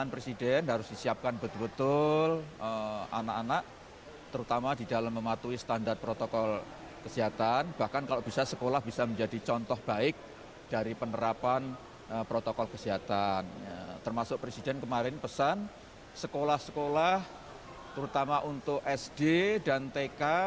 protokol kesehatan termasuk presiden kemarin pesan sekolah sekolah terutama untuk sd dan tk